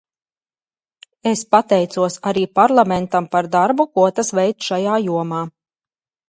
Es pateicos arī Parlamentam par darbu, ko tas veic šajā jomā.